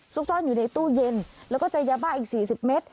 ซ่อนอยู่ในตู้เย็นแล้วก็เจอยาบ้าอีก๔๐เมตร